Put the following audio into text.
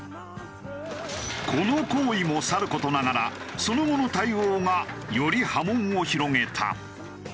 この行為もさる事ながらその後の対応がより波紋を広げた。